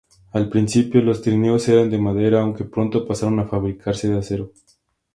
Al principio los trineos eran de madera, aunque pronto pasaron a fabricarse de acero.